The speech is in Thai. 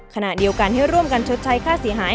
ขณะเดียวกันให้ร่วมกันชดใช้ค่าเสียหาย